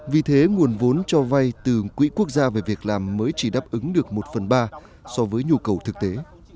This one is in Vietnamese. vì thế nguồn vốn cho vay từ quỹ quốc gia về việc làm mới chỉ đáp ứng được một phần ba so với nhu cầu thực tế